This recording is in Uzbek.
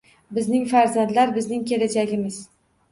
Bizning farzandlar, bizning kelajagimiz.